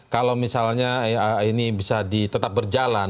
kalau misalnya ini bisa tetap berjalan